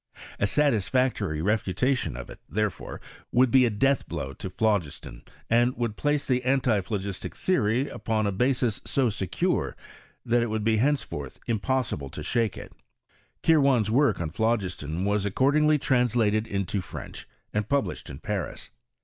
A satisfactory refutation of it, therefore, would be a death blow to phlogistoa and would place the antiphlogistic theory upon B F CnEMlSTRY IN PRANCE. 139 ^B^wis Eo secure that it would be henceforth impos H iifale to shake it. Kirwan's work on phlog iston was accordingly translated into French, and published in Paris.